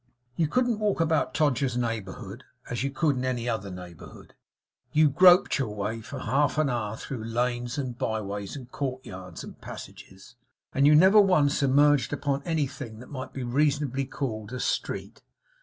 You couldn't walk about Todgers's neighbourhood, as you could in any other neighbourhood. You groped your way for an hour through lanes and byways, and court yards, and passages; and you never once emerged upon anything that might be reasonably called a street.